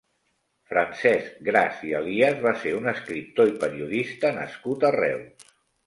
Francesc Gras i Elies va ser un escriptor i periodista nascut a Reus.